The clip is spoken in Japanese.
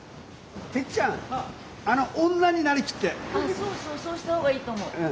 そうそうそうした方がいいと思う。